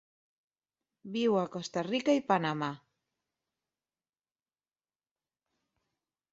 Viu a Costa Rica i Panamà.